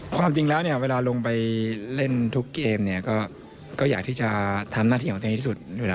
ความจริงแล้วเนี่ยเวลาลงไปเล่นทุกเกมเนี่ยก็อยากที่จะทำหน้าที่ของตัวเองที่สุด